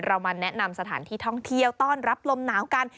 เรามาแนะนำสถานที่ท่องเที่ยวต้อนรับลมหนาวกัน